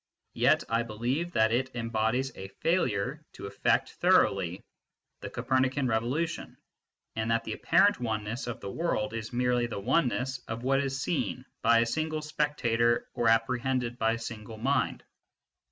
Yet I believe that it em bodies a failure to effect thoroughly the " Copernican revolution," and that the apparent oneness of the world is merely the oneness ofjwhat . js_seen by ji single spectator or apprehended by a single mind.